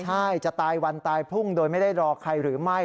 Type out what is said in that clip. ใช่จะตายวันตายพุ่งโดยไม่ได้รอใครหรือไม่